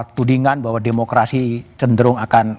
ada juga tudingan bahwa demokrasi cenderung akan pilih